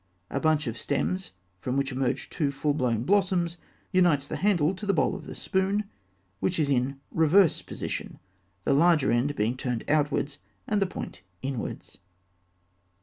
A bunch of stems, from which emerge two full blown blossoms, unites the handle to the bowl of the spoon, which is in reverse position, the larger end being turned outwards and the point inwards.